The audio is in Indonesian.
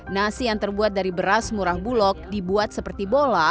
nasi yang terbuat dari beras murah bulog dibuat seperti bola